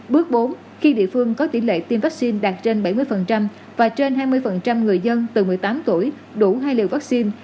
bước bốn khi địa phương có tỷ lệ tiêm vaccine đạt trên bảy mươi và trên hai mươi người dân từ một mươi tám tuổi đủ hai liều vaccine